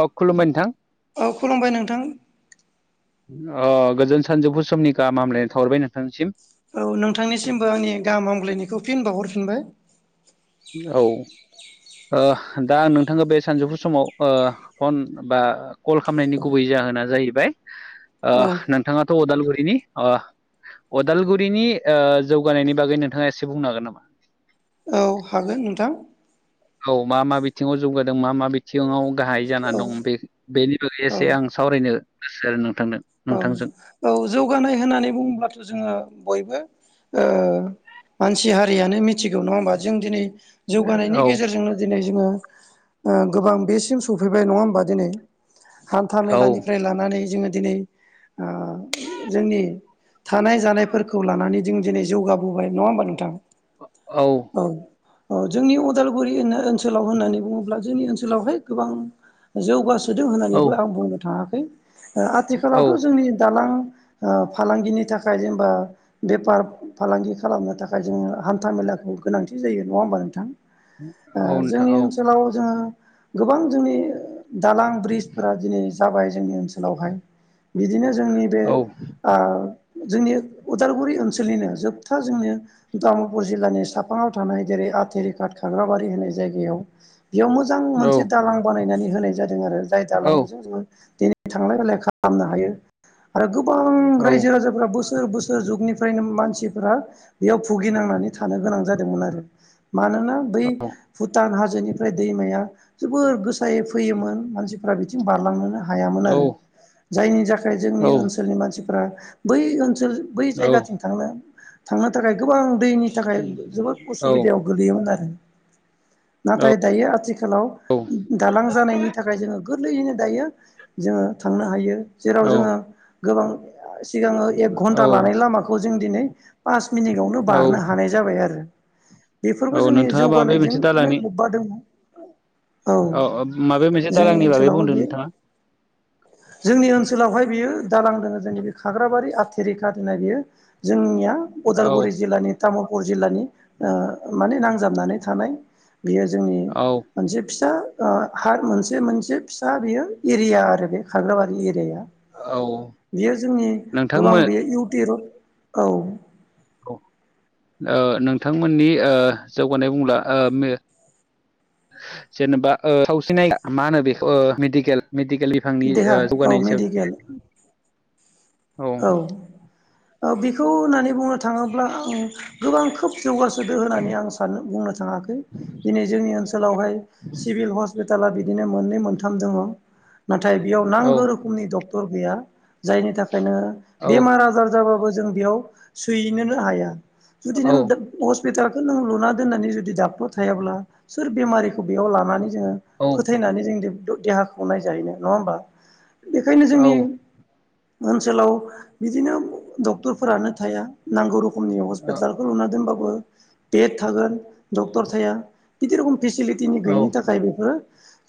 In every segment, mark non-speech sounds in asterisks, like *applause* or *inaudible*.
औ खुलुमबाय नोंथां औ खुलुमबाय नोंथां ओ गोजोन सानजौफु समनि गाहामलायनो थावाहरबाय नोंथांनिसिम औ नोंथांनिसिमबो आंनि गाहाम आामग्लायनायखौ फिन बावहरफिनबाय औ ओ दा आं नोंथाङा बे सानजौफु समाव ओ फन बा कल खालामनायनि गुबै जा जाहोना जाहैबाय ओ औ नोंथाङाथ' अदालगुरिनि ओ अदालगुरिनि ओ जौगानायनि बागै नोंथाङा एसे बुंनो हागोन नामा औ हागोन नोंथां औ मा मा बिथिङाव जौगादों मा मा बिथिङाव गाहाय जाना औ दं बे बेनि बागै औ एसे आं सावरायनो गोसो नोंथांनो औ नोंथांजों औ जौगानाय होननानै बुङोलाथ' जोङो बयबो ओ मानसि हारियानो मि थिगौ नङा होमबा जों दिनै जौगानायनि औ गेजेरजोंनो दिनै जोङो ओ गोबां बेसिम सफैबाय नङा होमबा दिनै हान्था औ मेलानिफ्राय लानानै जोङो दिनै ओ जोंनि थानाय जानायफोरखौ लानानै जों दिनै जौगाबोबाय नङा होमबा नोंथां औ अ जोंनि उदालगुरि नो ओनसोलाव होननानै बुङोब्ला जोंनि ओनसोलावहाय गोबां जौगासोदों औ होननानैबो आं बुंनो थाङाखै औ आथिखालावथ' जोंनि दालां ओ फालांगिनि थाखाय जेनेबा बेफार फालांगि खालामनो थाखाय जोङो हान्था मेलाखौ गोनांथि जायो नङा होमबा नोंथां नोंथां जोंनि औ ओनसोलाव जोङो गोबां जोंनि दालां ब्रिजफोरा दिनै जाबाय जोंनि ओनसोलावहाय बिदिनो जोंनि बे औ ओ जोंनि उदालगुरि ओनसोलनिनो जोबथा जोंनि तामुलपुर जिल्लानि साफाङाव थानाय जेरै आथेरिकाट खाग्राबारि होननाय जायगायाव बेयाव मोजां मोनसे दालां बानायनानै होनाय जादों आरो जाय औ दालांजों जोङो दिनै थांलाय फैलाय खालाम मनो हायो आरो गोबां औ रायजो राजाफ्रा बोसोर बोसोर बोसोर जुगनिफ्रायनो मानसिफोरा बेयाव भुगिनांनानै थानो गोनां जादोंमोन आरो मानोना बै भुटान हा जोनिफ्राय दैमाया जोबोर गोसायै फैयोमोन मानसिफ्रा बिथिं बारलांनोनो हा हायामोन आरो जायनि थाखाय जोंनि ओनसोलनि मानसिफोरा बै ओनसोल बै जायगाथिं थांनो थांनो थाखाय गोबां दैनि थाखाय जोबोद उसुबिदायाव गोलैयोमोन आरो नाथाय औ-औ-औ-औ-औ-औ-औ-औ-औ-औ-औ दायो आथिखाल आथिखालाव दालां जानायनि थाखाय जोङो गोरलैयैनो दायो जोङो थांनो हायो जेराव जोङो गोबां सिगाङो एक घन्टा लानाय लामाखौ जों दिनै पास मिनिटावनो बारनो हानाय जाबाय आरो बेफोरबो जोंनि नोंथाङा माबे मोनसे जौगानायजोंनो दालांनि लोब्बा दङ औ औ माबा मोनसे जोंनि दालांनि बागै ओनसोलावबो बुंदों बेयो नोंथाङा जोंनि ओनसोलावहाय बियो दालां दोङो जोंनि बे खाग्राबारि आथेरेखा होननाय बियो जोंनिया अदालगुरि जिल्लानि तामुलपुर जिल्लानि माने नांजाबनानै थानाय बियो जोंनि औ-औ-औ मोनसे फिसा हार मोनसे मोनसे फिसा बेयो एरिया आरो बे खाग्राबारि एरियााया बियो जोंनि गोबां नोंथांमोन बेयो इउट औ औ ओ नोंथांमोननि ओ जौगानाय बुंब्ला ओ म जेनेबा सावसिनाय मा होनो बेखौ मेडिकेल मेडिकेलनि बिथांनि ओ देहा औ जौगानायनि सायाव मेडिकेल औ औ बेखौ होननानै बुंनो थाङोब्ला आं गोबां खोब जौगासोदो होननानै आं सान बुंनो थाङाखै दिनै जोंनि ओनसोलावहाय सिभिल हस्पिटाल पिला बि मोननै मोनथ दङ नाथाय बेयाव नांगौ रखनि डक टर गैया जायनि थाखायनो बेमार आजार जाबाबो जों बेयाव सैनोनो हाया जुदि नों हसपिटालखौ नों लुनानै दनानै जुदि डाक्टर थायोब्ला सोर बेमारिखौ बेयाव लानानै जोङो फोथायनानै जों देहाखौ नायजाहैनो नङा होमबा बेखायनो जोंनि ओनसोलाव बिदिनो डक्टरफोरानो थाया नांगौ रोखो मनि हसपिटालखौ लुना दोनबाबो बेद थागोन डक्टर थाया बिदि रखम फेसिलिटिनि गैयिनि औ-औ-औ-औ-औ-औ-औ-औ-औ-औ-औ-औ थाखाय बेफोरो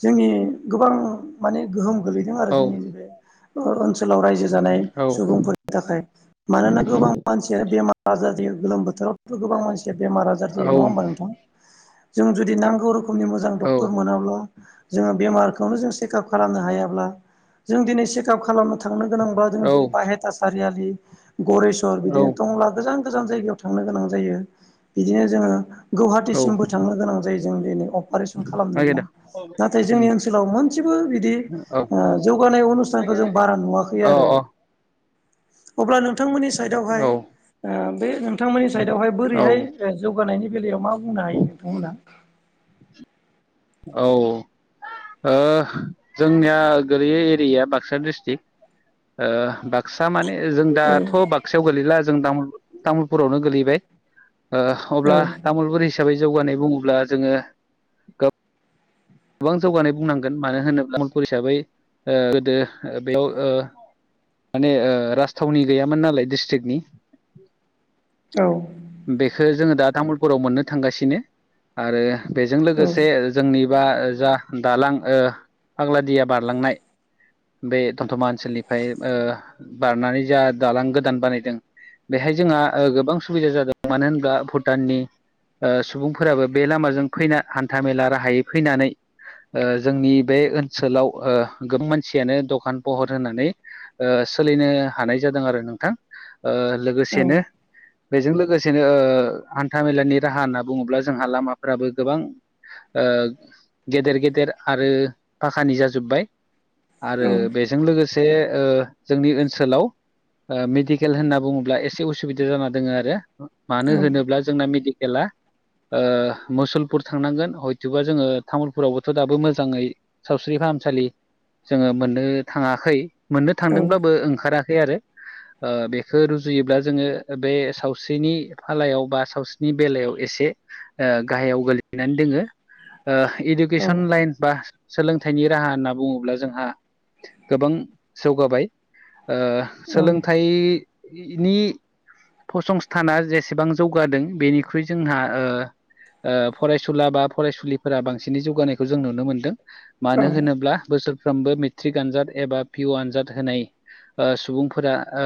जोंनि गोबां माने गोहोम गोैलैदों आरो जोंनि नैबे ओनसोलाव रायजो जानाय सुबुंफोरनि थाखाय मानोना गोबां मानसिया बेमार जार जायो गोलोम बोथोरावथ' गोबां मानसिया बेमार आजार जायो नङा होमबा नोंथां जों जुदि नांगौ रोखोमनि मोजां डक्टर मोनाब्ला जोङो बेमारखौनो जों च सेकआप खालामनो हायाब्ला जों दिनै चेकआप खालामनो थांनो गोनां बा जों दिनै बायहाथा सारियालि गेरेछर बिदिनो तंला गोजान गोजान जायगायाव थांनो गोनां जायो बिदिनो जोङो औ गुवाहाटिसिमबो थांनो गोनां जायो जों दिनै अ अपारेसन खालामनोब्ला नागिरदों नाथाय उम जोंनि ओनसोलाव मोनसेबो बिदि औ ओ जौगानाय अनुस्थान खौ जों बारा नुवाखै औ आरो अ अब्ला नों थांमोननि साइडआवहाय औ बे नोंथांमोननि साइडआवहाय औ बोरैहाय जौगानायनि बेलायाव मा बुंनो हायो नोंथांमोना औ ओ जोंनिया गलैयो एरियाया बाक्सा डिस्ट्रिक्ट बाक्सा माने जों औ दाथ' बाक्सायाव गोलैला जों तामुलपुरावनो गोलैबाय ओ औ अब्ला तामुलपुर हिसाबै जौगानाय बुङोब्ला जोंङो गो बां जौगानाय बुंनांगोन मानो होनोब्ला तामुलपुर हिसाबै ओ गोदो बेयाव ओ माने ओ राजथावनि गैयामोन नालाय डिस्ट्रिक्टनि औ बेखौ जोङो दा तामुलपुराव मोननो थांगासिनो आरो बेजों लोगोसे जोंनि बा जा दालां ओ फाग्लादिया बारलांनाय बे दतमा ओनसोलनिफ्राय ओ बारनानै जा दालां गोदान बानायदों बेहाय जोंहा गोबां सुबिदा जादों मानो होनोब्ला भुटाननि ओ सुबुंफोराबो बे लामाजों फैना हान्था मेला राहायै फैनानै ओ जोंनि बे ओनसोलाव ओ गोबां मानसियानो दखान फहर होनानै ओ सोलिनो हानाय जादों आरो नोंथां ओ औ लोगोसेनो बेजों लोगोसेनो ओ हान्था मेलानि राहा होनना बुङोब्ला जोंहा लामाफ्राबो गोबां आ गेदेर गेदेर आरो फाखानि जाजुब्बाय औ आरो बेजों लोगोसे से ओ जोंनि ओनसोलाव ओ मेडिकेल होनना बुङोब्ला एसे उसुबिदा जाना दोङो आरो मानो औ होनोब्ला जोंना मेडिकेला ओ मुसलपुर थांनांगोन हयथबा जोङो तामुलपुरावबोथ' दाबो मोजाङै सावस्रि फाहामसालि जोङो मोननो थाङाखै मोननो थांदोंब्लाबो ओंखाराखै आरो ओ बेखौ रुजुयोब्ला जोङो बे सावस्रिनि फालायाव बा सावस्रिनि बेलायाव एसे ओ गाहायाव गोल्लैनानै दोङो ओ इडुकेसन लाइन बा सोलोंथाइनि राहा होनना बुङोब्ला जोंहा गोबां जौगाबाय। ओ सोलोंथाइनि फसंस्थाना जेसेबां जौगादों बेनिख्रुइ जोंहा ओ फरायसुला बा फरायसुलि फोरा बांसिनै जौगानायखौ जों नुनो मोनदों औ मानो होनोब्ला बोसोर फ्रोमबो मेट्रिक आनजाद एबा पि अ आनजाद होनाय ओ सुबुंफोरा ओ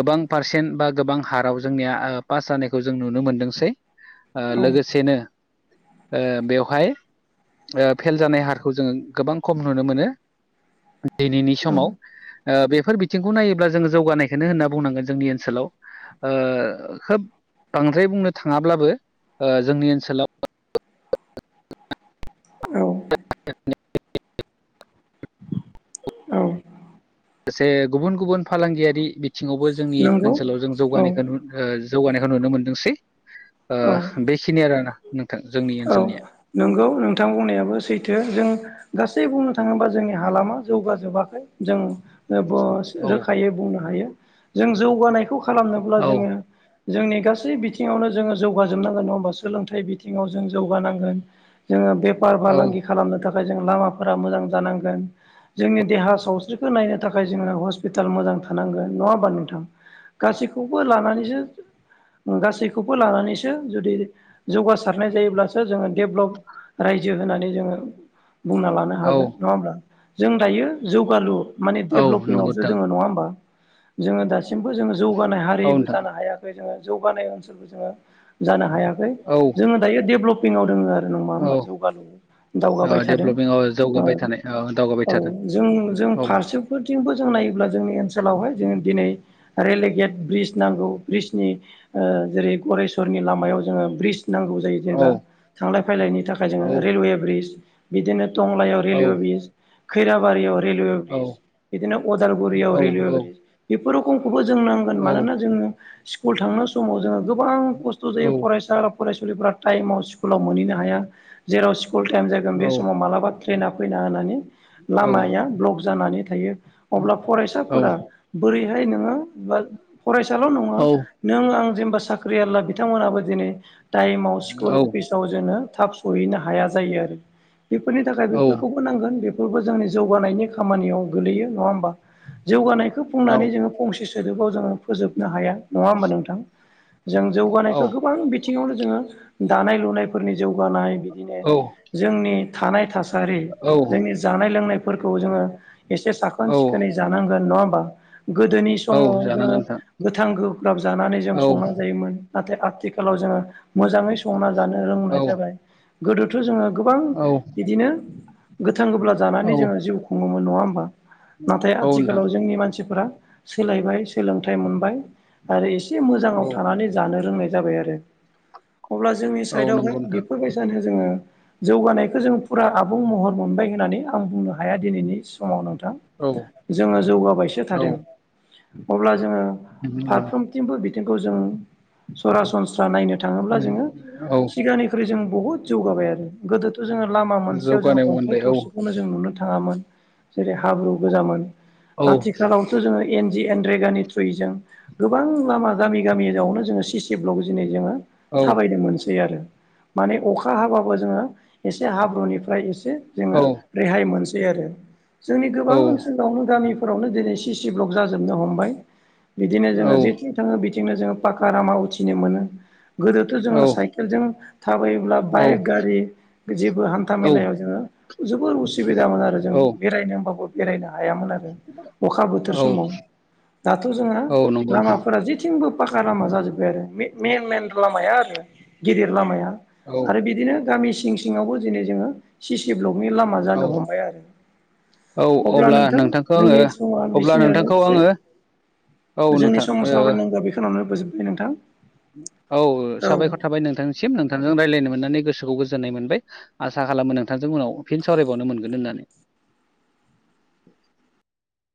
गोबां पारसेन्ट बा गोबां हाराव जोंनिया ओ पास जानायखौ जों नुनो मोनदोंसै। ओ लोगोसेनो ओ बेवहाय ओ फेल जानाय हारखौ जोङो गोबां खम नुनो मोनो। दिनैनि औ समाव ओ बेफोर बिथिंखौ नायोब्ला जोङो जौगानायखौनो होनना बुंनांगोन जोंनि ओनसोलाव ओ खोब बांद्राय बुंनो थाङाब्लाबो ओ जोंनि ओनसोलाव *inaudible* औ गोसे गुबुन गुबुन फालांगियारि बिथिङावबो जोंनि नंगौ ओनसोलाव जों जौगानायखो नु ओ जौगानायखौ नुनो मोनदोंसै ओ औ बेखिनियानो आरोना नोंथां जोंनि औ ओनसोलनिया नंगौ नोंथां बुंनायाबो सैथो जों गासै बुंनो थाङोबा जोंनि हालामा जौगाजोबाखै जों *unintelligible* औ रोखायै बुंनो हायो जों जौगानायखौ खालामनोब्ला औ जोङो जोंनि गासै बिथिङावनो जोङो जौगाजोबनांगोन नङा होमबा सोलोंथाइ बिथिङाव जों जौगानांगोन जोङो बेफार औ फालांगि खालामनो थाखाय थाखाय जों लामाफोरा मोजां जानांगोन जोंनि देहा सावस्रिखौ नायनो थाखाय जोङो हस्पिटाल मोजां थानांगोन नङा होमबा नोंथां गासैखौबो लानानैसो गासैखौबो लानानैसो जुदि जौगासार रनाय जायोब्लासो जोङो डेभ्लप रायजो होननानै जोङो बुंना लानो औ हागोन नङा होमब्ला जों दायो जौगालु माने औ नंगौ डेभलपिंआवसो नोंथां दोङो नङा होमबा जोङो दा दासिमबो जोङो जौगानाय औ हारिबो नोंथां जानो हायाखै जोङो जौगानाय ओनसोलबो जोङो जानो हायाखै औ जोङो दायो डेभेलपिंआव दोङो आरो। नङा औ होमबा ओ जौगालु दावगाबाय थादों डेभलपिं औ ओ जौगाबाय थानाय दावगाबाय औ थादों जों जों औ फारसेफोरथिंबो जों नायोब्ला जोंनि ओनसोलावहाय जों दिनै रेलगेट ब्रिज नांगौ ब्रिजनि जेरै गरेस्वरनि लामायाव जोङो ब्रिज नांगौ जायो औ जेनेबा थांलाय फैलायनि थाखाय जोङो औ रेलवे ब्रिज बिदिनो टंलायाव रेलवे औ ब्रिज खैराबारियाव रेलवे ब्रिज औ बिदिनो अदालगुरियाव रेलवे ब्रिज बेफोरखौ खौबो जों नांगोन औ औ मानोना जोङो स्कुल थांनाय समाव जोङो गोबां खस्थ' औ जायो फरायसा फरायसुलिफोरा टाइमाव स्कुलाव मोनहैनो हाया जेराव स्कुल टाइम जागोन बे समाव मालाबा ट्रेना फैना होनानै औ लामाया ब्लक जानानै थायो अब्ला औ फरायसाफोरा बोरैहाय नोङो फरायसाल' नङा औ नों आं जेनेबा साख्रि आवला बिथांमोनाबो दिनै टाइमाव औ स्कुल अफिसाव जोङो थाब सहैनो हाया जायो आरो बेफोरनि थाखाय बेफोरखौबो नांगोन बे फोरबो जोंनि जौगानायनि खामानियाव गोलैयो नङा होमबा जौगानायखौ औ बुंनानै जोङो फंसे सोदोबाव जोङो फोजोबनो हाया नङा होमबा नोंथां जों जौगानायखौ गोबां बिथि ङावनो जोङो दानाय लुनायफोरनि जौगानाय बिदिनो जोंनि थानाय थास हारि औ जोंनि जानाय लोंनायफोरखौ जोङो एसे साखोन औ सिखोनै जानां गोन नङा होमबा गोदोनि औ समाव जोङो जानांगोन नोंथां गोथां गोब्राब जानानै जों औ संना जायोमोन नाथाय आथिखालाव जोङो मोजाङै संना जानो रोंबोननाय औ जाबाय गोदोथ' जोङो गोबां औ बिदिनो गोथां गोबब्ला औ जानानै जोङो जिउ खुङोमोन नङा होमबा नाथाय औ नोंथां आथिखालाव जोंनि मानसिफोरा सोलायबाय सोलोंथाइ मोनबाय आरो एसे औ मोजाङाव थानानै जानो रोंनाय जाबाय आरो अब्ला जोंनि औ साइडआवहाय नंगौ नोंथां बेफोरबायसानो जोङो जौगानायखो जों फुरा आबुं महर मोनबाय होननानै आं बुंनो हाया दिनैनि समाव नोंथां औ जोङो जौगाबायसो औ थादों अब्ला जोङो नंगौ नोंथां फारफ्रोमथिंबो बिथिंखौ जों सरासनस्रा नायनो थाङोब्ला जोङो औ सिगांनिख्रुइ जों बहुत जौगाबाय आरो गोदो थ' जोङो लामा मोनसेयाव जोङो जौगानाय अन्थाइ मोनबाय औ थरसेखौनो जों नुनो थाङामोन जेरै हाब्रु गोजामोन औ आथिखालावसो जोङो एन जि एन रेगानि थ्रुयै जों गोबां लामा गामि गामियावनो जोङो सि सि ब्लक दिनै जोङो औ थाबायनो मोनसै आरो माने अखा हाबाबो जोङो एसे हाब्रुनिफ्राय एसे जोङो औ रेहाय मोनसै आरो जोंनि औ गोबां ओनसोलावनो गामि फोरावनो दिनै सिसि ब्लक जाजोबनो हमबाय बिदिनो जोङो जेथिं थाङो नो जोङो पाका लामा उथिनो मोनो गोदोथ' जोङो औ साइकेलजों थाबायोब्ला बाइक गारि जेबो हान्था औ मेलायाव जोङो जोबोर उसु बिदामोन आरो जों बेरायनो होमबाबो बेरायनो हायामोन आरो अखा बोथोर औ समाव दाथ' जोङो औ नंगौ नोंथां लामाफोरा जेथिंबो पाखा लामा जाजोबबाय आरो मेन मेन लामाया आरो गिदिर लामाया औ आरो बिदिनो गामि सिं सिङावबो दिनै जोङो सिसि ब्लक नि लामा जानो औ हमबाय आरो औ अब्ला नोंथां नोंथांखौ जोंनि आङो समा अब्ला बिसिनियानो नोंथांखौ सै आङो औ जोंनि नोंथां ओ समाजाव रायलायनायखौ बेखिनियावनो फोजोबबाय नोंथां औ औ साबायखर थाबाय नोंथांनिसिम नोंथांजों रायज्लायनो मोननानै गोसोखौ गोजोननाय मोनबाय आसा खालामो नोंथांजों उनाव फिन सावरायबावनो मोनगोन होननानै *inaudible*